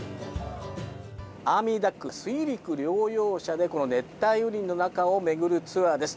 アーミーダック、水陸両用車で熱帯雨林の中を巡るツアーです。